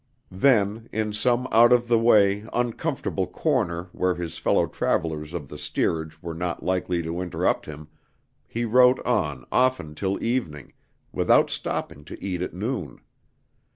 Then, in some out of the way, uncomfortable corner where his fellow travelers of the steerage were not likely to interrupt him, he wrote on often till evening, without stopping to eat at noon.